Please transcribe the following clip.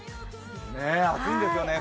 暑いんですよね。